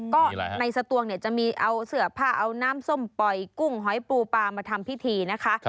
ก็ในสตวงเนี่ยจะมีเอาเสื้อผ้าเอาน้ำส้มปล่อยกุ้งหอยปูปลามาทำพิธีนะคะ